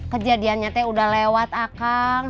kejadian nyatanya udah lewat ah kang